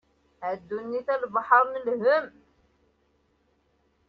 A ddunit a lebḥer n lhem.